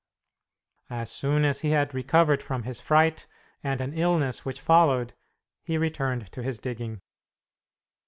As soon as he had recovered from his fright and an illness which followed, he returned to his digging.